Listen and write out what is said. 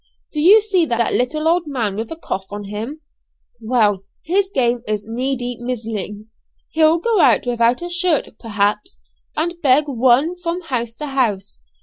Do you see that little old man with a cough on him? Well, his game is 'needy mizzling.' He'll go out without a shirt, perhaps, and beg one from house to house.